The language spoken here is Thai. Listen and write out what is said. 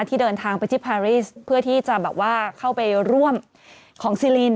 ที่เดินทางไปที่พารีส์เพื่อที่จะเข้าไปร่วมของซิลิน